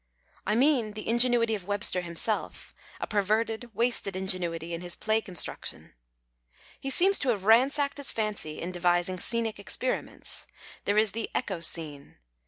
I mean the ingenuity of Webster himself, a per verted, wasted ingenuity, in his play construction. He seems to have ransacked his fancy in devising scenic experiments. There is the " echo " scene.